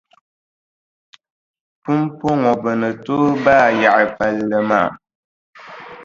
Pumpɔŋɔ bɛ ni tooi baai yaɣi palli maa.